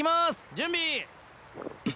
準備！